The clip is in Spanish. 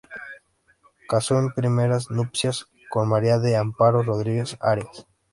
Casó en primeras nupcias con María del Amparo Rodríguez-Arias.